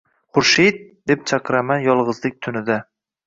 «Xurshid!» deb chaqiraman yolg’izlik tunida.